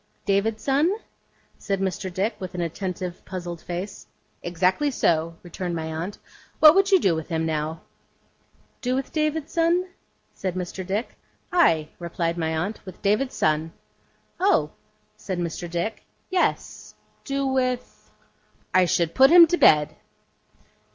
'David's son?' said Mr. Dick, with an attentive, puzzled face. 'Exactly so,' returned my aunt. 'What would you do with him, now?' 'Do with David's son?' said Mr. Dick. 'Ay,' replied my aunt, 'with David's son.' 'Oh!' said Mr. Dick. 'Yes. Do with I should put him to bed.